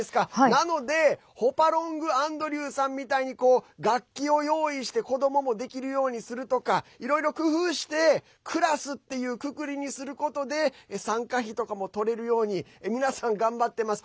なので、ホパロング・アンドリューさんみたいに楽器を用意して子どももできるようにするとかいろいろ工夫してクラスっていうくくりにすることで参加費とかも取れるように皆さん頑張っています。